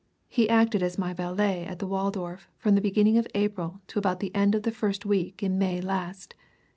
He acted as my valet at the Waldorf from the beginning of April to about the end of the first week in May last.